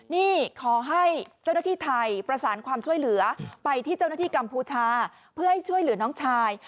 นี่ขอให้เจ้าหน้าที่ไทยประสานความช่วยเหลือไปที่เจ้าหน้าที่กัมพูชาเพื่อให้ช่วยเหลือน้องชาย